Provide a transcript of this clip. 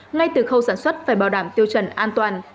ngay từ khâu sản xuất phải bảo đảm tiêu chuẩn an toàn